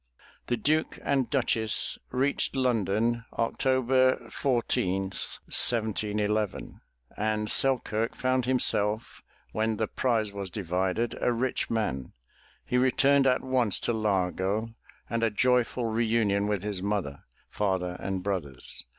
The Duke and Duchess reached London, October 14, 1711, and Selkirk found himself when the prize was divided a rich man. He returned at once to Largo and a joyful reunion with his mother, father and brothers.